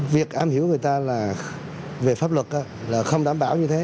việc ám hiểu người ta về pháp luật là không đảm bảo như thế